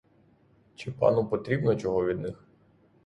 Чи пану потрібно чого від них?